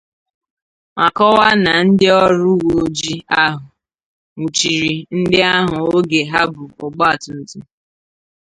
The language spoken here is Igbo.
ma kọwaa na ndị ọrụ uweojii ahụ nwụchiri ndị ahụ oge ha bu ọgbaatumtum